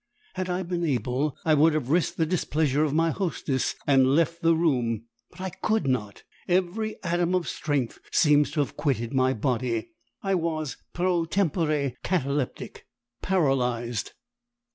Had I been able, I would have risked the displeasure of my hostess and left the room, but I COULD NOT; every atom of strength seemed to have quitted my body I was pro tempore cataleptic PARALYSED.